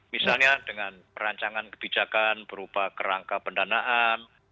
misalnya dengan perancangan kebijakan berupa kerangka pendanaan